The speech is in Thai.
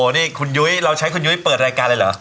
นี่คุณยุ้ยเราใช้คุณยุ้ยเปิดรายการเลยเหรอ